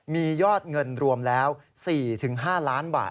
มียอดเงินรวมแล้ว๔๕ล้านบาท